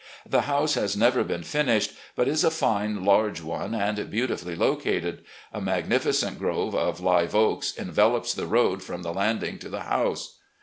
. The house has never been finished, but is a fine, large one and beautifully located. A magni ficent grove of live oaks envelops the road from the landing to the house.